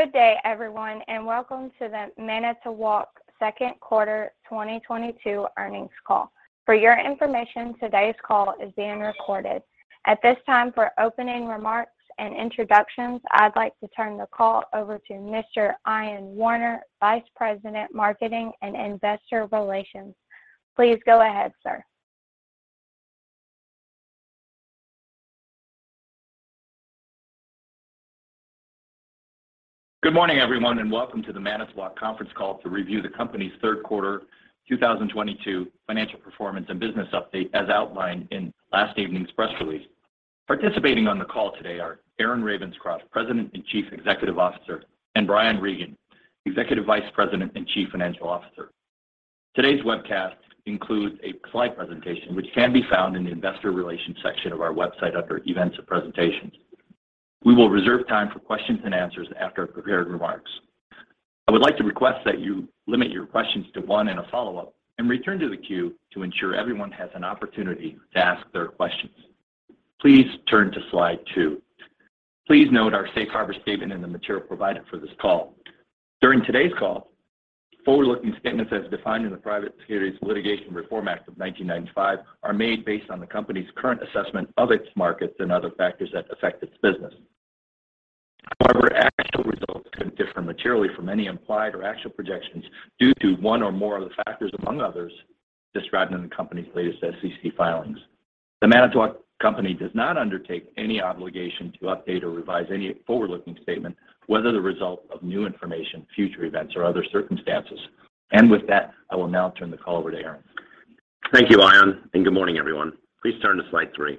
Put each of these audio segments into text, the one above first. Good day everyone, welcome to The Manitowoc second quarter 2022 earnings call. For your information, today's call is being recorded. At this time, for opening remarks and introductions, I'd like to turn the call over to Mr. Ion Warner, Vice President, Marketing and Investor Relations. Please go ahead, sir. Good morning everyone, welcome to the Manitowoc conference call to review the company's third quarter 2022 financial performance and business update, as outlined in last evening's press release. Participating on the call today are Aaron Ravenscroft, President and Chief Executive Officer, and Brian Regan, Executive Vice President and Chief Financial Officer. Today's webcast includes a slide presentation which can be found in the investor relations section of our website under events and presentations. We will reserve time for questions and answers after prepared remarks. I would like to request that you limit your questions to one and a follow-up, and return to the queue to ensure everyone has an opportunity to ask their questions. Please turn to slide two. Please note our safe harbor statement in the material provided for this call. During today's call, forward-looking statements as defined in the Private Securities Litigation Reform Act of 1995 are made based on the company's current assessment of its markets and other factors that affect its business. However, actual results could differ materially from any implied or actual projections due to one or more of the factors, among others, described in the company's latest SEC filings. The Manitowoc Company does not undertake any obligation to update or revise any forward-looking statement, whether the result of new information, future events, or other circumstances. With that, I will now turn the call over to Aaron. Thank you, Ion, and good morning everyone. Please turn to slide three.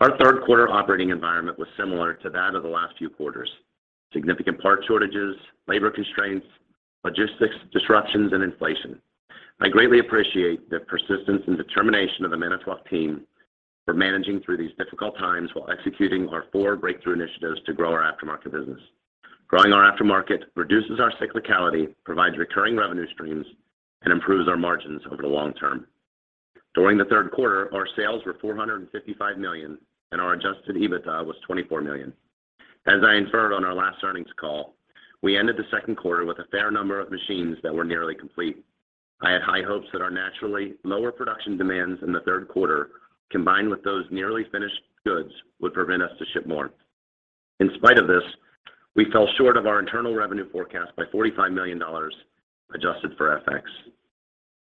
Our third quarter operating environment was similar to that of the last few quarters. Significant part shortages, labor constraints, logistics disruptions, and inflation. I greatly appreciate the persistence and determination of the Manitowoc team for managing through these difficult times while executing our four breakthrough initiatives to grow our aftermarket business. Growing our aftermarket reduces our cyclicality, provides recurring revenue streams, and improves our margins over the long term. During the third quarter, our sales were $455 million, and our adjusted EBITDA was $24 million. As I inferred on our last earnings call, we ended the second quarter with a fair number of machines that were nearly complete. I had high hopes that our naturally lower production demands in the third quarter, combined with those nearly finished goods, would prevent us to ship more. In spite of this, we fell short of our internal revenue forecast by $45 million, adjusted for FX.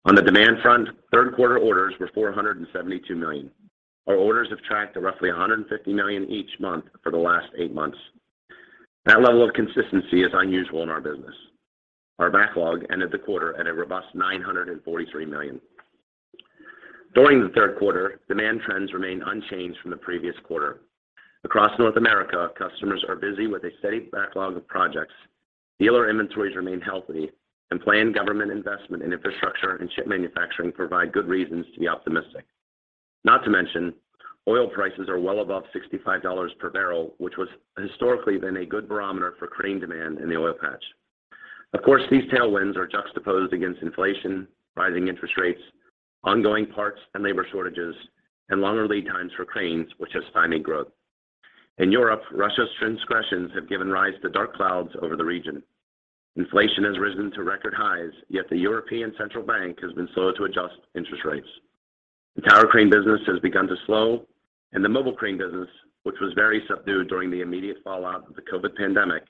On the demand front, third quarter orders were $472 million. Our orders have tracked to roughly $150 million each month for the last eight months. That level of consistency is unusual in our business. Our backlog ended the quarter at a robust $943 million. During the third quarter, demand trends remained unchanged from the previous quarter. Across North America, customers are busy with a steady backlog of projects. Dealer inventories remain healthy, and planned government investment in infrastructure and ship manufacturing provide good reasons to be optimistic. Not to mention, oil prices are well above $65 per barrel, which has historically been a good barometer for crane demand in the oil patch. These tailwinds are juxtaposed against inflation, rising interest rates, ongoing parts and labor shortages, and longer lead times for cranes, which is stymieing growth. In Europe, Russia's transgressions have given rise to dark clouds over the region. Inflation has risen to record highs, yet the European Central Bank has been slow to adjust interest rates. The tower crane business has begun to slow, and the mobile crane business, which was very subdued during the immediate fallout of the COVID pandemic,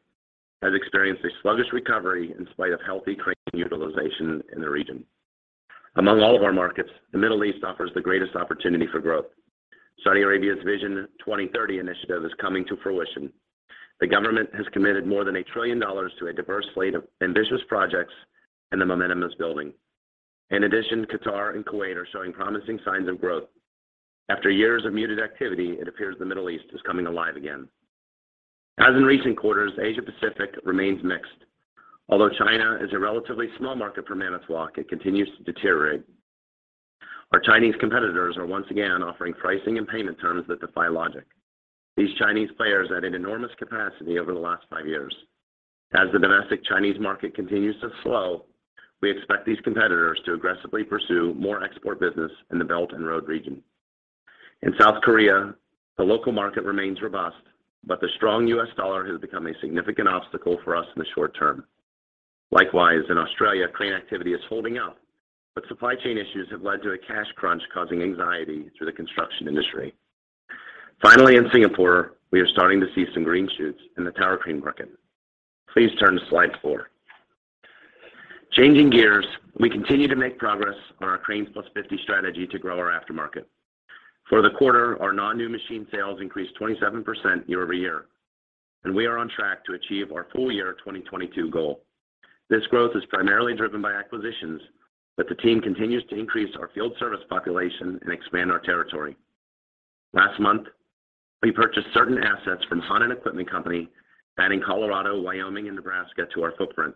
has experienced a sluggish recovery in spite of healthy crane utilization in the region. Among all of our markets, the Middle East offers the greatest opportunity for growth. Saudi Arabia's Vision 2030 initiative is coming to fruition. The government has committed more than $1 trillion to a diverse slate of ambitious projects, the momentum is building. In addition, Qatar and Kuwait are showing promising signs of growth. After years of muted activity, it appears the Middle East is coming alive again. As in recent quarters, Asia Pacific remains mixed. Although China is a relatively small market for Manitowoc, it continues to deteriorate. Our Chinese competitors are once again offering pricing and payment terms that defy logic. These Chinese players had an enormous capacity over the last five years. As the domestic Chinese market continues to slow, we expect these competitors to aggressively pursue more export business in the Belt and Road region. In South Korea, the local market remains robust, the strong US dollar has become a significant obstacle for us in the short term. Likewise, in Australia, crane activity is holding up, supply chain issues have led to a cash crunch, causing anxiety through the construction industry. Finally, in Singapore, we are starting to see some green shoots in the tower crane market. Please turn to slide four. Changing gears, we continue to make progress on our Cranes Plus 50 strategy to grow our aftermarket. For the quarter, our non-new machine sales increased 27% year-over-year, we are on track to achieve our full year 2022 goal. This growth is primarily driven by acquisitions, the team continues to increase our field service population and expand our territory. Last month, we purchased certain assets from Honnen Equipment Company, adding Colorado, Wyoming, and Nebraska to our footprint.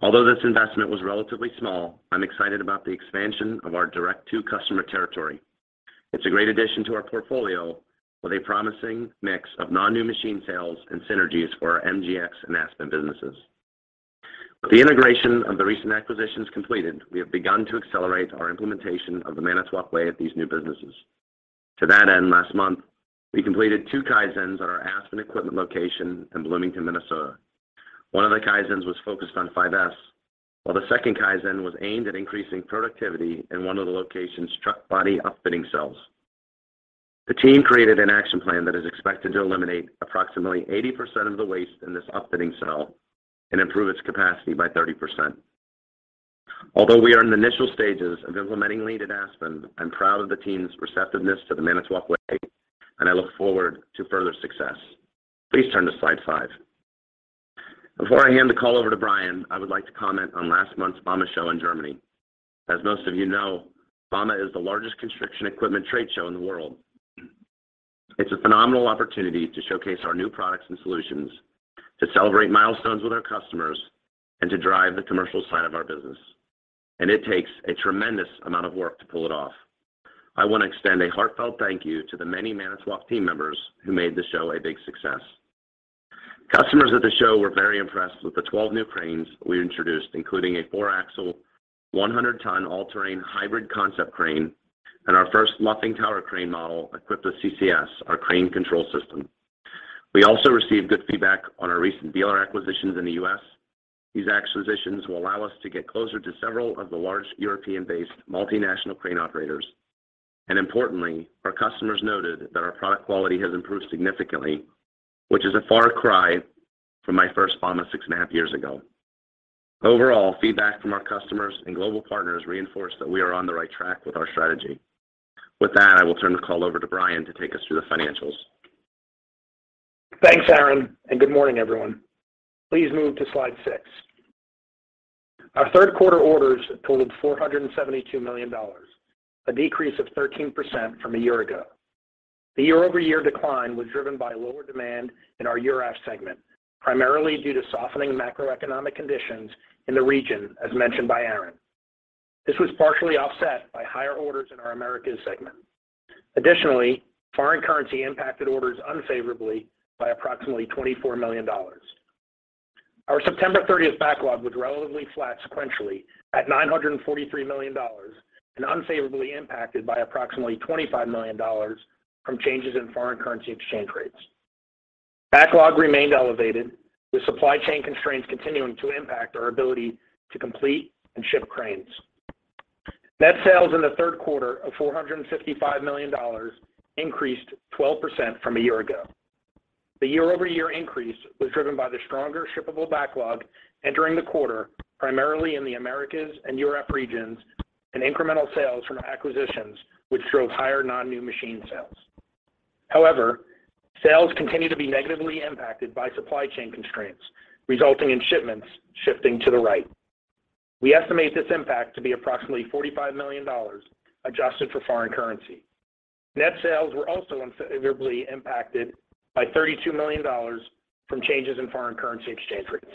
Although this investment was relatively small, I'm excited about the expansion of our direct-to-customer territory. It's a great addition to our portfolio with a promising mix of non-new machine sales and synergies for our MGX and Aspen businesses. With the integration of the recent acquisitions completed, we have begun to accelerate our implementation of The Manitowoc Way at these new businesses. To that end, last month, we completed two Kaizens at our Aspen Equipment location in Bloomington, Minnesota. One of the Kaizens was focused on 5S, while the second Kaizen was aimed at increasing productivity in one of the location's truck body upfitting cells. The team created an action plan that is expected to eliminate approximately 80% of the waste in this upfitting cell and improve its capacity by 30%. Although we are in the initial stages of implementing Lean at Aspen, I'm proud of the team's receptiveness to The Manitowoc Way, and I look forward to further success. Please turn to slide five. Before I hand the call over to Brian, I would like to comment on last month's bauma show in Germany. As most of you know, bauma is the largest construction equipment trade show in the world. It's a phenomenal opportunity to showcase our new products and solutions, to celebrate milestones with our customers, and to drive the commercial side of our business, and it takes a tremendous amount of work to pull it off. I want to extend a heartfelt thank you to the many Manitowoc team members who made the show a big success. Customers at the show were very impressed with the 12 new cranes we introduced, including a four-axle, 100-ton all-terrain hybrid concept crane, and our first luffing tower crane model equipped with CCS, our crane control system. We also received good feedback on our recent dealer acquisitions in the U.S. These acquisitions will allow us to get closer to several of the large European-based multinational crane operators. Importantly, our customers noted that our product quality has improved significantly, which is a far cry from my first bauma six and a half years ago. Overall, feedback from our customers and global partners reinforced that we are on the right track with our strategy. With that, I will turn the call over to Brian to take us through the financials. Thanks, Aaron. Good morning, everyone. Please move to slide six. Our third quarter orders totaled $472 million, a decrease of 13% from a year ago. The year-over-year decline was driven by lower demand in our Europe segment, primarily due to softening macroeconomic conditions in the region, as mentioned by Aaron. This was partially offset by higher orders in our Americas segment. Foreign currency impacted orders unfavorably by approximately $24 million. Our September 30th backlog was relatively flat sequentially at $943 million and unfavorably impacted by approximately $25 million from changes in foreign currency exchange rates. Backlog remained elevated with supply chain constraints continuing to impact our ability to complete and ship cranes. Net sales in the third quarter of $455 million increased 12% from a year ago. The year-over-year increase was driven by the stronger shippable backlog entering the quarter, primarily in the Americas and Europe regions, and incremental sales from our acquisitions, which drove higher non-new machine sales. However, sales continue to be negatively impacted by supply chain constraints, resulting in shipments shifting to the right. We estimate this impact to be approximately $45 million, adjusted for foreign currency. Net sales were also unfavorably impacted by $32 million from changes in foreign currency exchange rates.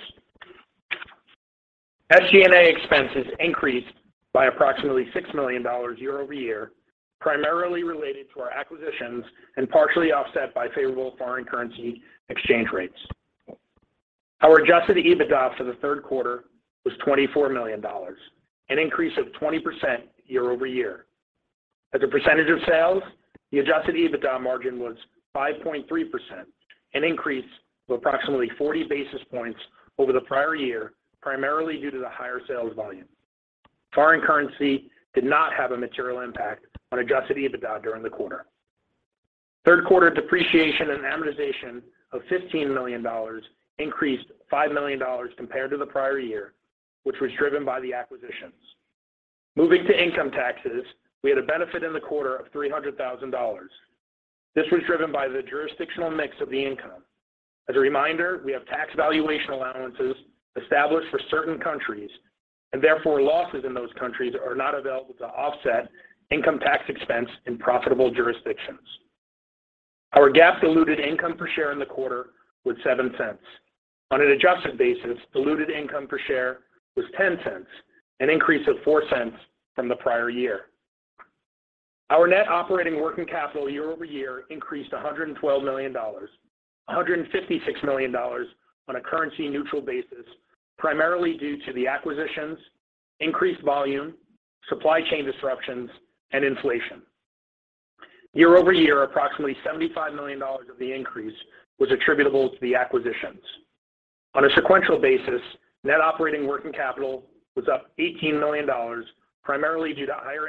SG&A expenses increased by approximately $6 million year-over-year, primarily related to our acquisitions and partially offset by favorable foreign currency exchange rates. Our adjusted EBITDA for the third quarter was $24 million, an increase of 20% year-over-year. As a percentage of sales, the adjusted EBITDA margin was 5.3%, an increase of approximately 40 basis points over the prior year, primarily due to the higher sales volume. Foreign currency did not have a material impact on adjusted EBITDA during the quarter. Third quarter depreciation and amortization of $15 million increased $5 million compared to the prior year, which was driven by the acquisitions. Moving to income taxes, we had a benefit in the quarter of $300,000. This was driven by the jurisdictional mix of the income. As a reminder, we have tax valuation allowances established for certain countries, and therefore, losses in those countries are not available to offset income tax expense in profitable jurisdictions. Our GAAP diluted income per share in the quarter was $0.07. On an adjusted basis, diluted income per share was $0.10, an increase of $0.04 from the prior year. Our net operating working capital year-over-year increased $112 million, $156 million on a currency-neutral basis, primarily due to the acquisitions, increased volume, supply chain disruptions, and inflation. Year-over-year, approximately $75 million of the increase was attributable to the acquisitions. On a sequential basis, net operating working capital was up $18 million, primarily due to higher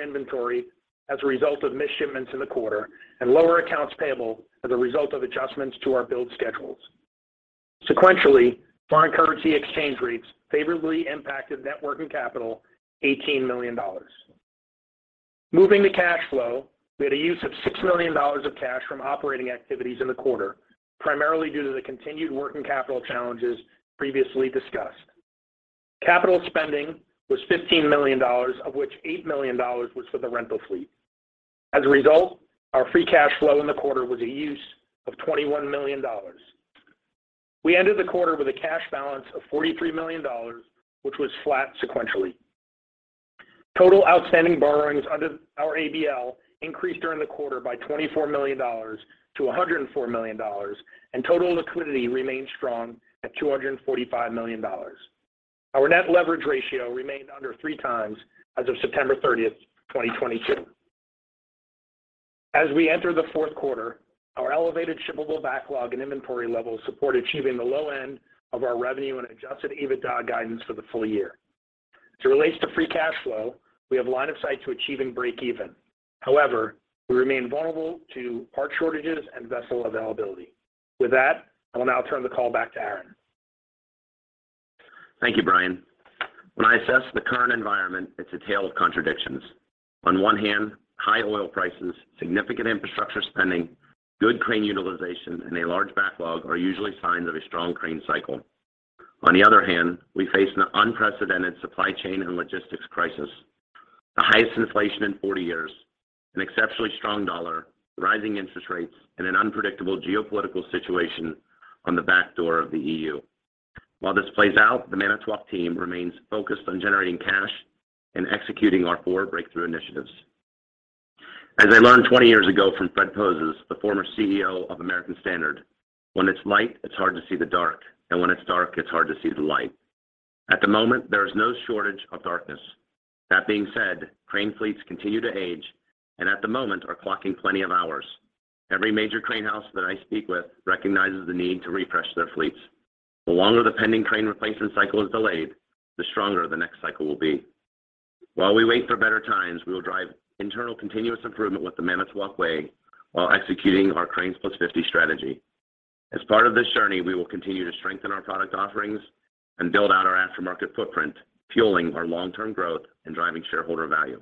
inventory as a result of missed shipments in the quarter and lower accounts payable as a result of adjustments to our build schedules. Sequentially, foreign currency exchange rates favorably impacted net working capital $18 million. Moving to cash flow, we had a use of $6 million of cash from operating activities in the quarter, primarily due to the continued working capital challenges previously discussed. Capital spending was $15 million, of which $8 million was for the rental fleet. As a result, our free cash flow in the quarter was a use of $21 million. We ended the quarter with a cash balance of $43 million, which was flat sequentially. Total outstanding borrowings under our ABL increased during the quarter by $24 million to $104 million, and total liquidity remained strong at $245 million. Our net leverage ratio remained under three times as of September 30th, 2022. As we enter the fourth quarter, our elevated shippable backlog and inventory levels support achieving the low end of our revenue and adjusted EBITDA guidance for the full year. As it relates to free cash flow, we have line of sight to achieving break even. However, we remain vulnerable to part shortages and vessel availability. With that, I will now turn the call back to Aaron. Thank you, Brian. When I assess the current environment, it's a tale of contradictions. On one hand, high oil prices, significant infrastructure spending, good crane utilization, and a large backlog are usually signs of a strong crane cycle. On the other hand, we face an unprecedented supply chain and logistics crisis, the highest inflation in 40 years, an exceptionally strong dollar, rising interest rates, and an unpredictable geopolitical situation on the back door of the EU. While this plays out, the Manitowoc team remains focused on generating cash and executing our four breakthrough initiatives. As I learned 20 years ago from Fred Poses, the former CEO of American Standard, "When it's light, it's hard to see the dark, and when it's dark, it's hard to see the light." At the moment, there is no shortage of darkness. That being said, crane fleets continue to age and at the moment are clocking plenty of hours. Every major crane house that I speak with recognizes the need to refresh their fleets. The longer the pending crane replacement cycle is delayed, the stronger the next cycle will be. While we wait for better times, we will drive internal continuous improvement with The Manitowoc Way while executing our Cranes Plus 50 strategy. As part of this journey, we will continue to strengthen our product offerings and build out our aftermarket footprint, fueling our long-term growth and driving shareholder value.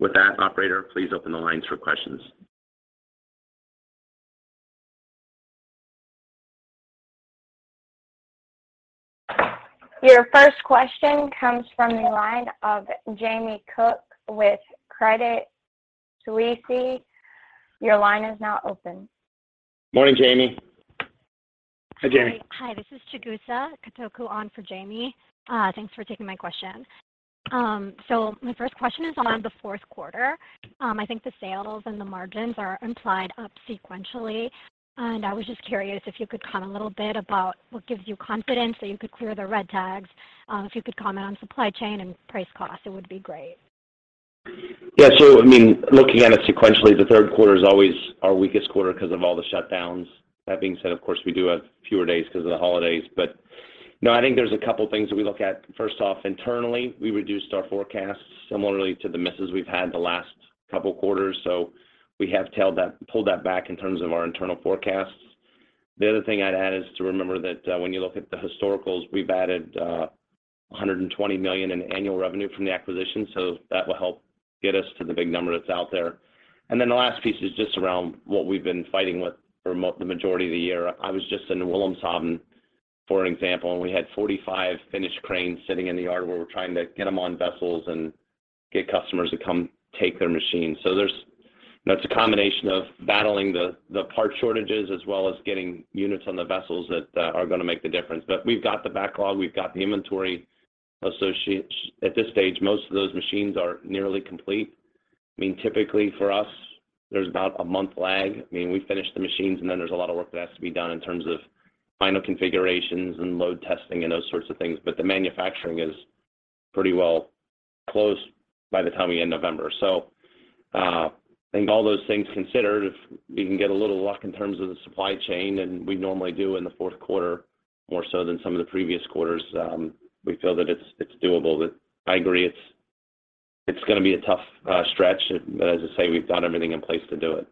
With that, operator, please open the lines for questions. Your first question comes from the line of Jamie Cook with Credit Suisse. Your line is now open. Morning, Jamie. Hi, Jamie. Hi, this is Chigusa Katoku on for Jamie. Thanks for taking my question. My first question is on the fourth quarter. I think the sales and the margins are implied up sequentially. I was just curious if you could comment a little bit about what gives you confidence that you could clear the red tags. If you could comment on supply chain and price cost, it would be great. Looking at it sequentially, the third quarter is always our weakest quarter because of all the shutdowns. That being said, of course, we do have fewer days because of the holidays. I think there's a couple things that we look at. First off, internally, we reduced our forecasts similarly to the misses we've had the last couple quarters. We have pulled that back in terms of our internal forecasts. The other thing I'd add is to remember that when you look at the historicals, we've added $120 million in annual revenue from the acquisition, that will help get us to the big number that's out there. The last piece is just around what we've been fighting with for the majority of the year. I was just in Wilhelmshaven, for an example, we had 45 finished cranes sitting in the yard where we're trying to get them on vessels and get customers to come take their machines. It's a combination of battling the part shortages as well as getting units on the vessels that are going to make the difference. We've got the backlog, we've got the inventory associates. At this stage, most of those machines are nearly complete. Typically for us, there's about a month lag. We finish the machines, there's a lot of work that has to be done in terms of final configurations and load testing and those sorts of things. The manufacturing is pretty well closed by the time we end November. I think all those things considered, if we can get a little luck in terms of the supply chain, then we normally do in the fourth quarter, more so than some of the previous quarters. We feel that it's doable. I agree, it's going to be a tough stretch, as I say, we've got everything in place to do it.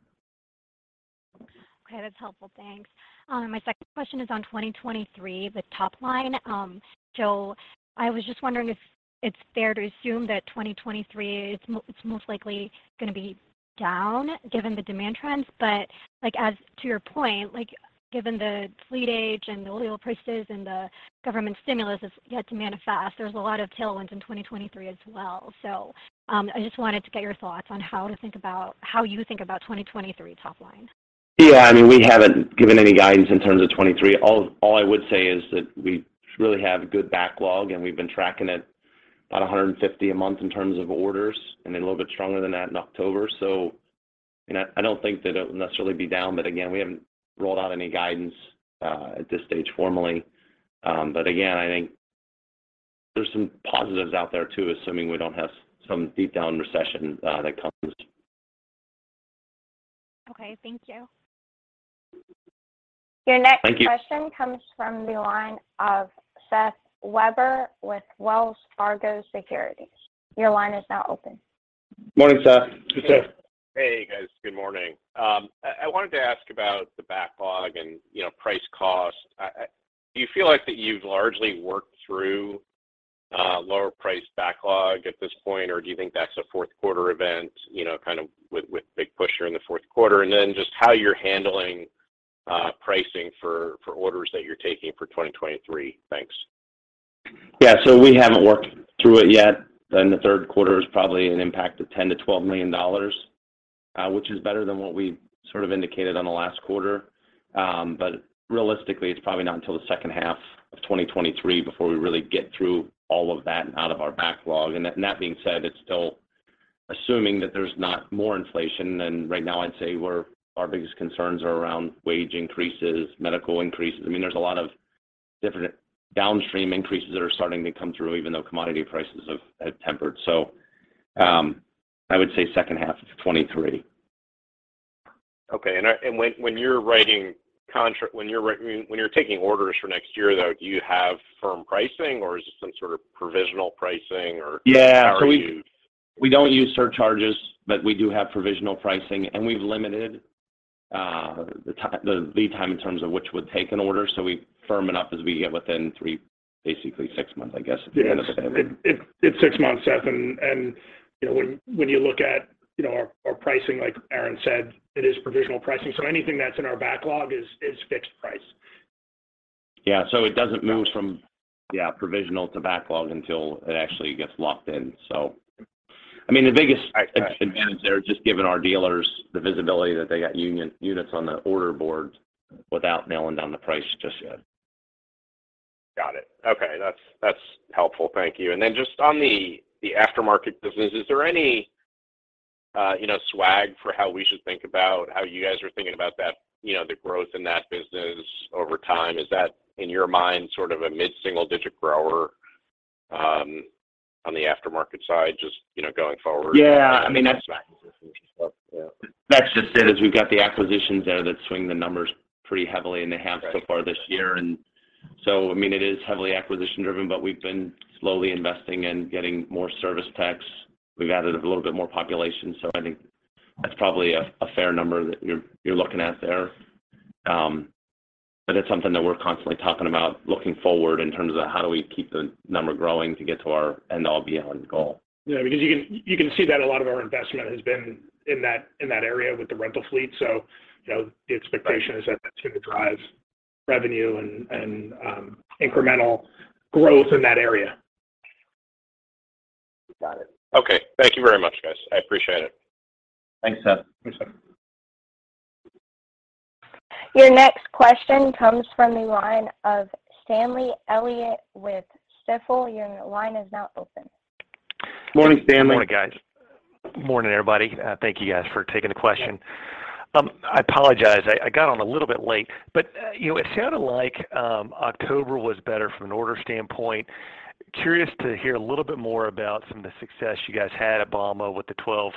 Okay, that's helpful. Thanks. My second question is on 2023, the top line. I was just wondering if it's fair to assume that 2023 is most likely going to be down given the demand trends, but as to your point, given the fleet age and the oil prices and the government stimulus has yet to manifest, there's a lot of tailwinds in 2023 as well. I just wanted to get your thoughts on how you think about 2023 top line. Yeah. We haven't given any guidance in terms of 2023. All I would say is that we really have a good backlog, and we've been tracking it about 150 a month in terms of orders, and then a little bit stronger than that in October. I don't think that it will necessarily be down, but again, we haven't rolled out any guidance at this stage formally. I think there's some positives out there, too, assuming we don't have some deep down recession that comes. Okay, thank you. Thank you. Your next question comes from the line of Seth Weber with Wells Fargo Securities. Your line is now open. Morning, Seth. Hey, Seth. Hey, guys. Good morning. I wanted to ask about the backlog and price cost. Do you feel like that you've largely worked through lower price backlog at this point, or do you think that's a fourth quarter event, with big push in the fourth quarter? Then just how you're handling pricing for orders that you're taking for 2023. Thanks. Yeah. We haven't worked through it yet. In the third quarter is probably an impact of $10 million-$12 million. Which is better than what we indicated on the last quarter. Realistically, it's probably not until the second half of 2023 before we really get through all of that and out of our backlog. That being said, it's still assuming that there's not more inflation. Right now, I'd say our biggest concerns are around wage increases, medical increases. There's a lot of different downstream increases that are starting to come through, even though commodity prices have tempered. I would say second half of 2023. Okay. When you're taking orders for next year, though, do you have firm pricing or is it some sort of provisional pricing? Yeah How are you? We don't use surcharges, but we do have provisional pricing, and we've limited the lead time in terms of which we'd take an order. We firm it up as we get within six months, I guess, at the end of the day. It's six months, Seth, when you look at our pricing, like Aaron said, it is provisional pricing. Anything that's in our backlog is fixed price. Yeah. It doesn't move from provisional to backlog until it actually gets locked in. The biggest advantage there is just giving our dealers the visibility that they got units on the order board without nailing down the price just yet. Got it. Okay. That's helpful. Thank you. Then just on the aftermarket business, is there any swag for how we should think about how you guys are thinking about the growth in that business over time? Is that, in your mind, a mid-single-digit grower on the aftermarket side, just going forward? Yeah. That's just it, is we've got the acquisitions there that swing the numbers pretty heavily in the halves so far this year, so it is heavily acquisition-driven, but we've been slowly investing in getting more service techs. We've added a little bit more population, I think that's probably a fair number that you're looking at there. It's something that we're constantly talking about looking forward in terms of how do we keep the number growing to get to our end-all be-all goal. Yeah. You can see that a lot of our investment has been in that area with the rental fleet, the expectation is that that's going to drive revenue and incremental growth in that area. Got it. Okay. Thank you very much, guys. I appreciate it. Thanks, Seth. Thanks, Seth. Your next question comes from the line of Stanley Elliott with Stifel. Your line is now open. Morning, Stanley. Morning, guys. Morning, everybody. Thank you guys for taking the question. I apologize, I got on a little bit late. It sounded like October was better from an order standpoint. Curious to hear a little bit more about some of the success you guys had at bauma with the 12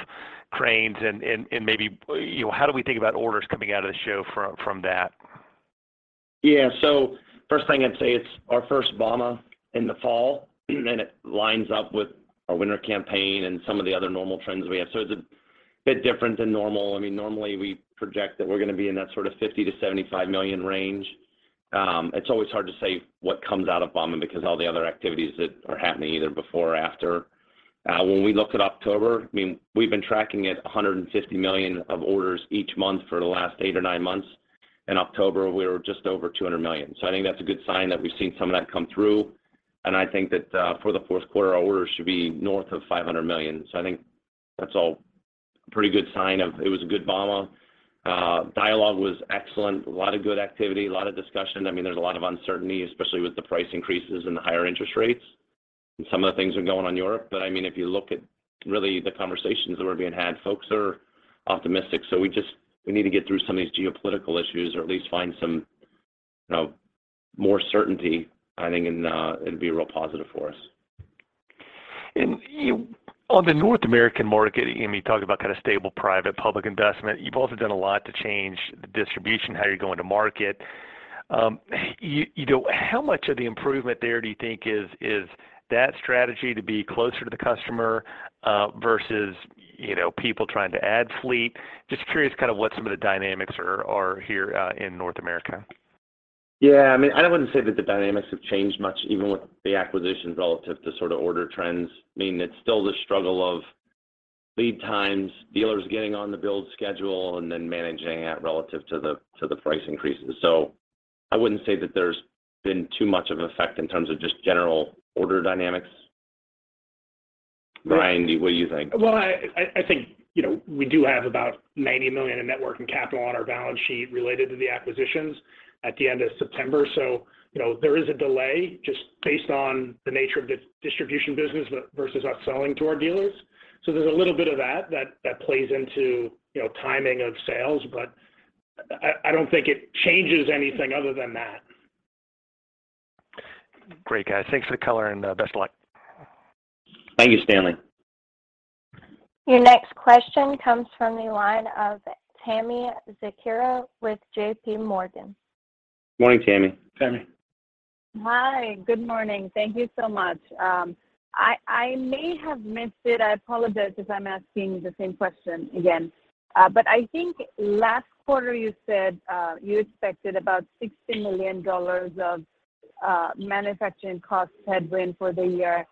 cranes and maybe how do we think about orders coming out of the show from that? Yeah. First thing I'd say, it's our first bauma in the fall, and it lines up with our winter campaign and some of the other normal trends we have. It's a bit different than normal. Normally we project that we're going to be in that sort of $50 million-$75 million range. It's always hard to say what comes out of bauma because all the other activities that are happening either before or after. When we looked at October, we've been tracking at $150 million of orders each month for the last eight or nine months. In October, we were just over $200 million. I think that's a good sign that we've seen some of that come through, and I think that for the fourth quarter, our orders should be north of $500 million. I think that's all a pretty good sign of it was a good bauma. Dialogue was excellent. A lot of good activity, a lot of discussion. There's a lot of uncertainty, especially with the price increases and the higher interest rates, and some of the things are going on in Europe. If you look at, really, the conversations that were being had, folks are optimistic. We need to get through some of these geopolitical issues or at least find some more certainty, I think, and it'd be a real positive for us. On the North American market, you talk about stable private public investment. You've also done a lot to change the distribution, how you're going to market. How much of the improvement there do you think is that strategy to be closer to the customer versus people trying to add fleet? Just curious what some of the dynamics are here in North America. Yeah. I wouldn't say that the dynamics have changed much, even with the acquisitions relative to order trends. It's still the struggle of lead times, dealers getting on the build schedule, and then managing that relative to the price increases. I wouldn't say that there's been too much of an effect in terms of just general order dynamics. Brian, what do you think? Well, I think we do have about $90 million in net working capital on our balance sheet related to the acquisitions at the end of September. There is a delay just based on the nature of the distribution business versus us selling to our dealers. There's a little bit of that that plays into timing of sales, but I don't think it changes anything other than that. Great, guys. Thanks for the color and best of luck. Thank you, Stanley. Your next question comes from the line of Tami Zakaria with JPMorgan. Morning, Tami. Tami. Hi. Good morning. Thank you so much. I may have missed it. I apologize if I'm asking the same question again. I think last quarter you said you expected about $60 million of manufacturing cost headwind for the year.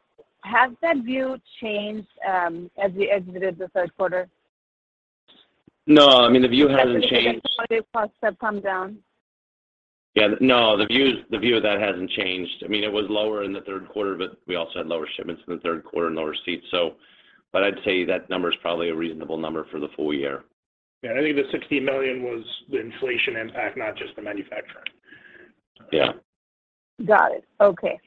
Has that view changed as we exited the third quarter? No. The view hasn't changed. Manufacturing costs have come down? Yeah, no, the view of that hasn't changed. It was lower in the third quarter, but we also had lower shipments in the third quarter and lower seats. I'd say that number is probably a reasonable number for the full year. Yeah. I think the $60 million was the inflation impact, not just the manufacturing. Yeah. Got it. Okay.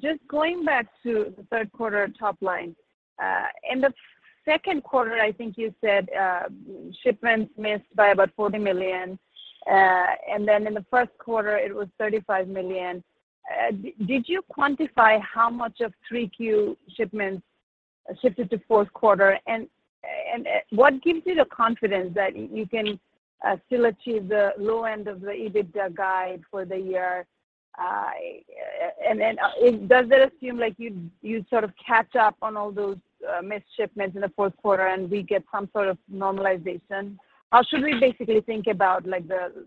Just going back to the third quarter top line. In the second quarter, I think you said shipments missed by about $40 million. In the first quarter it was $35 million. Did you quantify how much of 3Q shipments shifted to fourth quarter? What gives you the confidence that you can still achieve the low end of the EBITDA guide for the year? Does it seem like you sort of catch up on all those missed shipments in the fourth quarter and we get some sort of normalization? How should we basically think about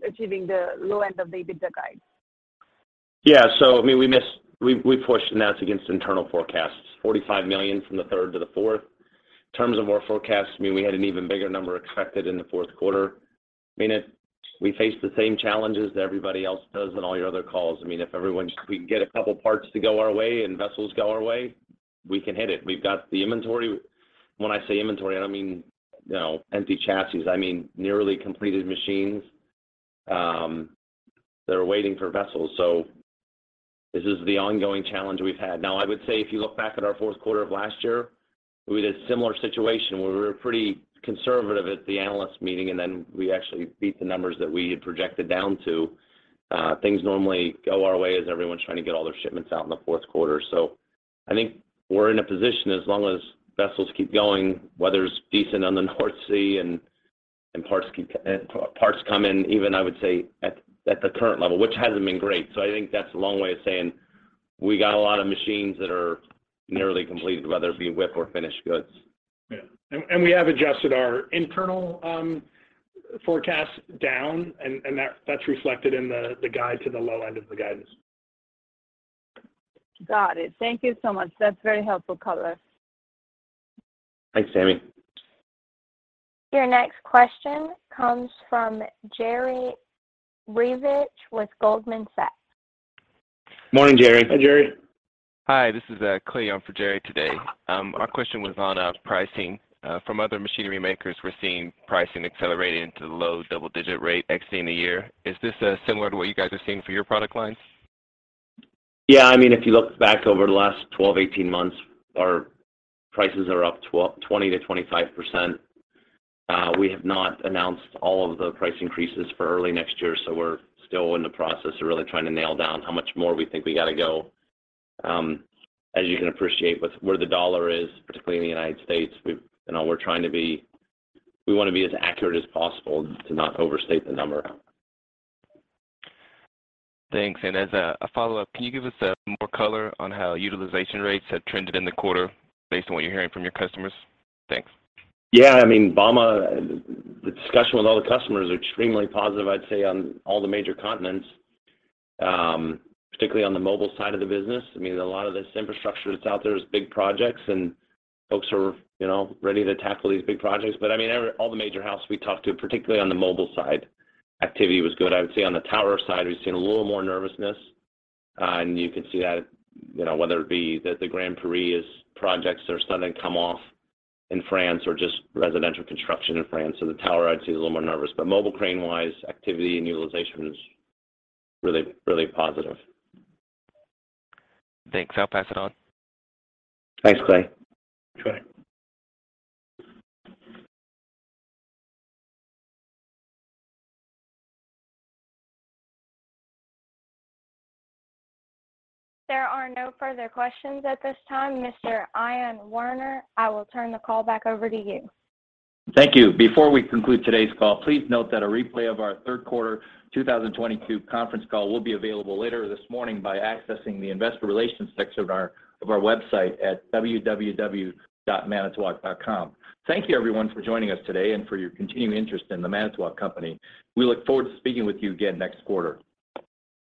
achieving the low end of the EBITDA guide? Yeah. We pushed that against internal forecasts, $45 million from the third to the fourth. In terms of our forecasts, we had an even bigger number expected in the fourth quarter. We face the same challenges that everybody else does on all your other calls. If we can get a couple parts to go our way and vessels go our way, we can hit it. We've got the inventory. When I say inventory, I don't mean empty chassis. I mean, nearly completed machines that are waiting for vessels. This is the ongoing challenge we've had. I would say if you look back at our fourth quarter of last year, we had a similar situation where we were pretty conservative at the analyst meeting, and then we actually beat the numbers that we had projected down to. Things normally go our way as everyone's trying to get all their shipments out in the fourth quarter. I think we're in a position as long as vessels keep going, weather's decent on the North Sea and parts come in, even, I would say, at the current level, which hasn't been great. I think that's a long way of saying we got a lot of machines that are nearly completed, whether it be WIP or finished goods. We have adjusted our internal forecasts down, and that's reflected in the guide to the low end of the guidance. Got it. Thank you so much. That's very helpful color. Thanks, Tami. Your next question comes from Jerry Revich with Goldman Sachs. Morning, Jerry. Hi, Jerry. Hi, this is Clay on for Jerry today. Our question was on pricing. From other machinery makers, we're seeing pricing accelerating into the low double-digit rate exiting the year. Is this similar to what you guys are seeing for your product lines? Yeah, if you look back over the last 12, 18 months, our prices are up 20%-25%. We have not announced all of the price increases for early next year, we're still in the process of really trying to nail down how much more we think we got to go. As you can appreciate, with where the dollar is, particularly in the United States, we want to be as accurate as possible to not overstate the number. Thanks. As a follow-up, can you give us more color on how utilization rates have trended in the quarter based on what you're hearing from your customers? Thanks. Yeah. The discussion with all the customers are extremely positive, I'd say, on all the major continents, particularly on the mobile side of the business. A lot of this infrastructure that's out there is big projects. Folks are ready to tackle these big projects. All the major houses we talked to, particularly on the mobile side, activity was good. I would say on the tower side, we've seen a little more nervousness. You can see that, whether it be the Grand Paris projects that are starting to come off in France or just residential construction in France. The tower, I'd say, is a little more nervous. Mobile crane-wise, activity and utilization is really positive. Thanks. I'll pass it on. Thanks, Clay. Sure. There are no further questions at this time. Mr. Ion Warner, I will turn the call back over to you. Thank you. Before we conclude today's call, please note that a replay of our third quarter 2022 conference call will be available later this morning by accessing the investor relations section of our website at www.manitowoc.com. Thank you everyone for joining us today and for your continuing interest in The Manitowoc Company. We look forward to speaking with you again next quarter.